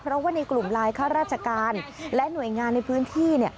เพราะว่าในกลุ่มไลน์ค่าราชการและหน่วยงานในพื้นที่